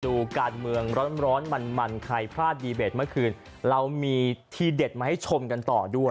ดูการเมืองร้อนร้อนมันมันใครพลาดดีเบตเมื่อคืนเรามีทีเด็ดมาให้ชมกันต่อด้วย